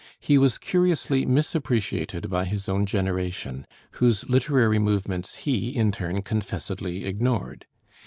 He was curiously misappreciated by his own generation, whose literary movements he in turn confessedly ignored.